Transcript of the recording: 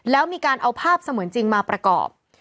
แล้วมีการเอาภาพเสมือนจริงมาประกอบ